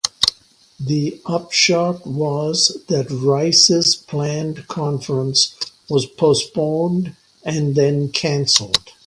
The upshot was that Rice's planned conference was postponed and then canceled.